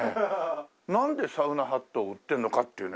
なんでサウナハットを売ってるのかっていうね。